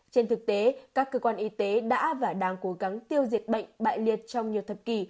trên thực tế các cơ quan y tế đã và đang cố gắng tiêu diệt bệnh bại liệt trong nhiều thập kỷ